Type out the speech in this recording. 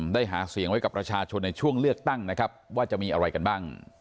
ได้หาเสียงไว้กับประชาชนในช่วงเลือกตั้งนะครับว่าจะมีอะไรกันบ้าง